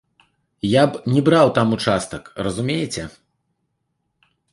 Я б не браў там участак, разумееце?